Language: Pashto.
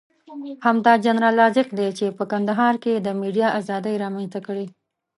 همدا جنرال رازق دی چې په کندهار کې یې د ميډيا ازادي رامنځته کړې.